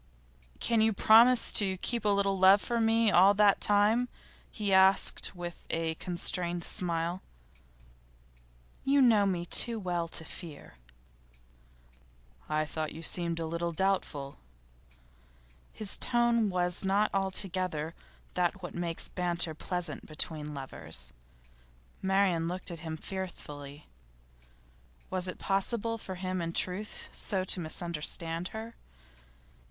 'Can you promise to keep a little love for me all that time?' he asked with a constrained smile. 'You know me too well to fear.' 'I thought you seemed a little doubtful.' His tone was not altogether that which makes banter pleasant between lovers. Marian looked at him fearfully. Was it possible for him in truth so to misunderstand her?